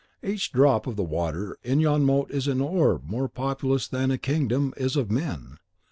Each drop of the water in yon moat is an orb more populous than a kingdom is of men.